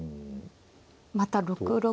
また６六。